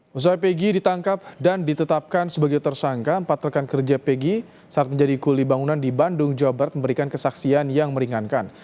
sesuai pegi ditangkap dan ditetapkan sebagai tersangka empat rekan kerja pegg saat menjadi kuli bangunan di bandung jawa barat memberikan kesaksian yang meringankan